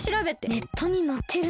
ネットにのってるんだ。